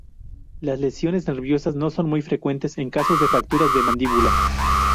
Las lesiones nerviosas no son muy frecuentes en casos de fracturas de mandíbula.